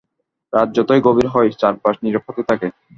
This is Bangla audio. রাত যতই গভীর হয় চারপাশ নীরব হতে থাকে।